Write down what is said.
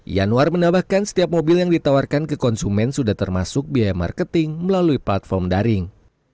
yanwar menambahkan setiap mobil yang ditawarkan ke konsumen sudah termasuk biaya marketing melalui platform daring